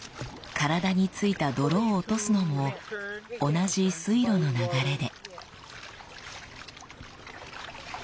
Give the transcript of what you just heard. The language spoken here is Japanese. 体についた泥を落とすのも同じ水路の流れで。